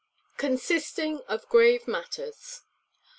_Consisting of grave matters.